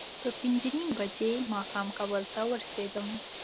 پر پینځه نیمې بجې ماښام کابل ته ورسېدم.